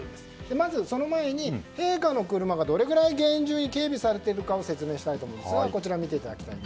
まずその前に陛下の車がどれくらい厳重に警備されているかを説明したいと思います。